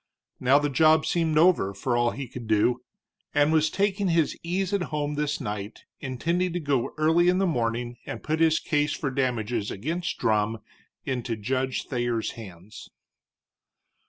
Now the job seemed over, for all he could do, and was taking his ease at home this night, intending to go early in the morning and put his case for damages against Drumm into Judge Thayer's hands.